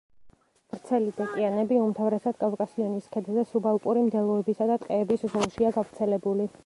ვრცელი დეკიანები უმთავრესად კავკასიონის ქედზე, სუბალპური მდელოებისა და ტყეების ზოლშია გავრცელებული.